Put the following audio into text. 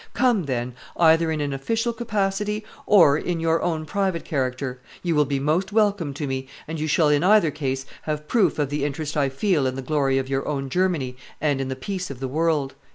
Come, then, either in an official capacity or in your own private character; you will be most welcome to me, and you shall in either case have proof of the interest I feel in the glory of your own Germany and in the peace of the world."